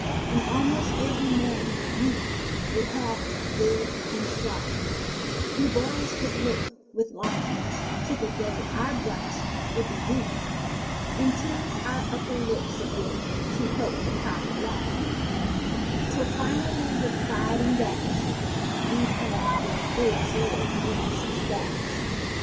And almost every man you'd meet would have them good and strong; We boys would look with longings to the day that our bunch would be due And tease our upper lip a bit to help the crop along— 'Till, finally, with pride and dash, we had a full fledged man's mustache.